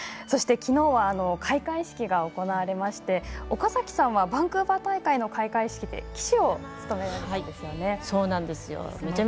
そして、きのうは開会式が行われまして岡崎さんはバンクーバー大会の開会式で旗手を務められたんですよね。